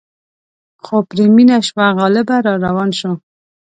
خو پرې مینه شوه غالبه را روان شو.